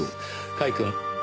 甲斐くん。